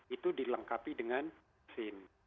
itu dilengkapi dengan vaksin